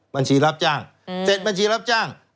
บัญชีรับจ้างเสร็จบัญชีรับจ้าง